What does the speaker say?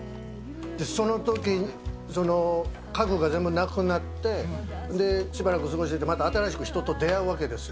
そのとき、家具が全部なくなって、しばらく過ごしてて、新しく人と出会うわけですよ。